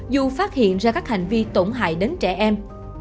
dù phát hiện ra các hành vi tổn hại đến trẻ em